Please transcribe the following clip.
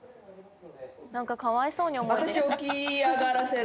・なんかかわいそうに思えてきた。